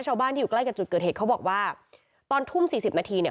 ชาวบ้านที่อยู่ใกล้กับจุดเกิดเหตุเขาบอกว่าตอนทุ่มสี่สิบนาทีเนี่ย